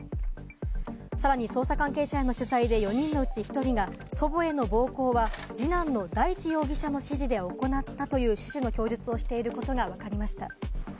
さらに捜査関係者への取材で４人のうち１人が祖母への暴行は二男の大地容疑者の指示で行ったという趣旨の供述をしていることがわかりました。